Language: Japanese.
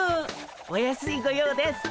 お安いご用です！